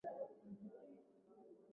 Nakutafuta kwa hamu, sabuni unirehemu,